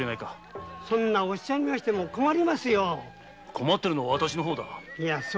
困ってるのは私の方だ。